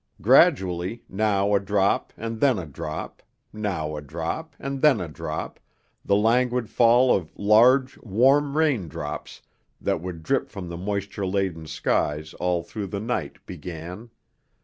Gradually, now a drop and then a drop, now a drop and then a drop, the languid fall of large, warm raindrops that would drip from the moisture laden skies all through the night began.